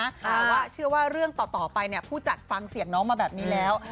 แต่ว่าเชื่อว่าเรื่องต่อไปผู้จัดฟังเสียงน้องมาแบบนี้แล้ว